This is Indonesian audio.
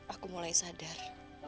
aku mulai sadar